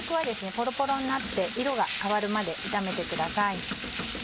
ぽろぽろになって色が変わるまで炒めてください。